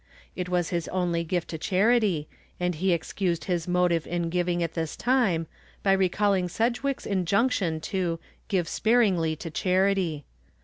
It was his only gift to charity and he excused his motive in giving at this time by recalling Sedgwick's injunction to "give sparingly to charity."